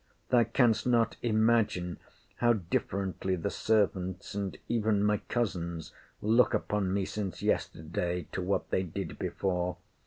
Thou canst not imagine how differently the servants, and even my cousins, look upon me, since yesterday, to what they did before.